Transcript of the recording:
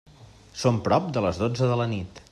Són prop de les dotze de la nit.